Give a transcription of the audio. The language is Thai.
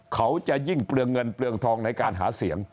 เขาจะยิ่งเปลืองเงินเปลืองทองในการหาเสียง